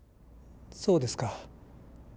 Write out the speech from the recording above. そうですか。